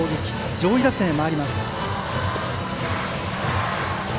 上位打線へ回ります。